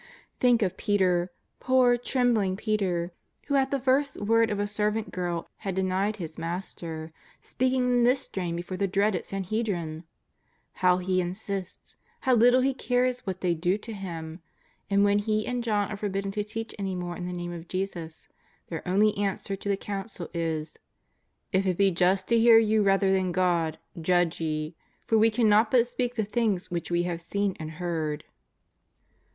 Think of Peter, poor, trembling Peter, who at the first word of a servant girl had denied his Master, speaking in this strain before the dreaded Sanhedrin! How he insists. How little he cares what they do to him. And when he and John are forbidden to teach any more in the Name of Jesus, their only answer to the Council is: ^' If it be just to hear you rather than God, judge ye. For we cannot but speak the things which we have seen and heard."